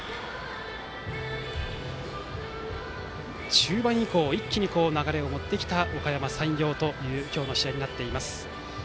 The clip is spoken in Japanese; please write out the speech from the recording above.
中盤以降一気に流れを持ってきたおかやま山陽という今日の試合になっています。